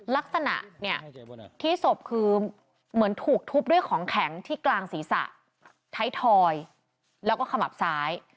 แล้วก็ขมับซ้าย